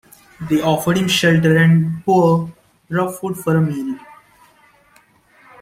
They offered him shelter and poor, rough food for a meal.